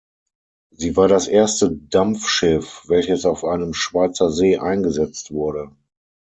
Sie war das erste Dampfschiff, welches auf einem Schweizer See eingesetzt wurde.